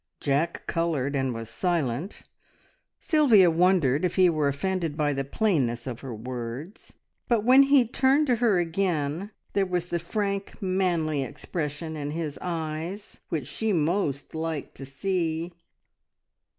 Jack coloured, and was silent. Sylvia wondered if he were offended by the plainness of her words, but when he turned to her again, there was the frank, manly expression in his eyes which she liked most to see.